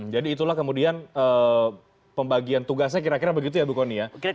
jadi itulah kemudian pembagian tugasnya kira kira begitu ya bu kony ya